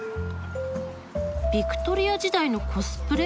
ビクトリア時代のコスプレ？